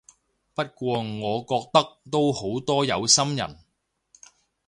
不過我覺得都好多有心人